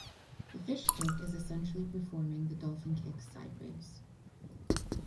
The fish kick is essentially performing the dolphin kick sideways.